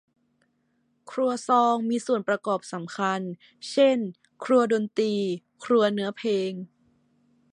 ครัวซองมีส่วนประกอบสำคัญเช่น ครัวดนตรี ครัวเนื้อเพลง